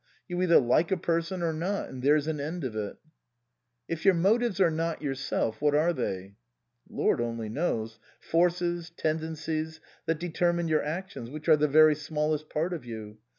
You either like a person or not, and there's an end of it." " If your motives are not yourself, what are they?" " Lord only knows. Forces, tendencies, that determine your actions, which are the very smallest part of you.